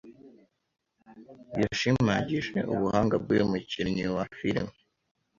yashimagije ubuhanga bw uyu umukinnyi wa filime